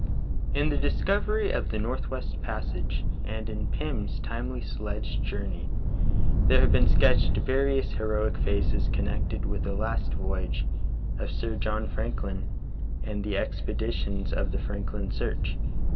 IN "The Discovery of the Northwest Passage" and in "Pirn's Timely Sledge Journey" there have been sketched various heroic phases connected with the last voyage of Sir John Franklin and the expeditions of the Franklin search.